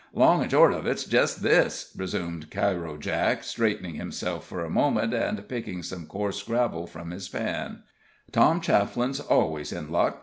"Long an' short of it's jest this," resumed Cairo Jake, straightening himself for a moment, and picking some coarse gravel from his pan, "Tom Chafflin's always in luck.